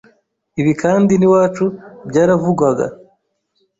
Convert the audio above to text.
Ibi kandi n’iwacu byaravugwaga